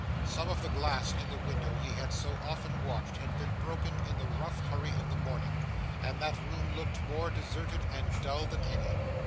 Some of the glass in the window he had so often watched, had been broken in the rough hurry of the morning, and that room looked more deserted and dull than any.